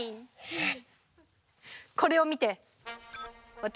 えっ！？